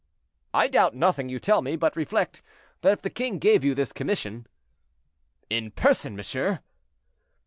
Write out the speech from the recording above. "I doubt nothing you tell me, but reflect that if the king gave you this commission—" "In person, monsieur."